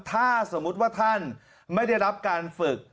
ถ้าสมมุติว่าท่านไม่ได้รับการฝึก